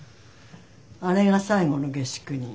あれが最後の下宿人。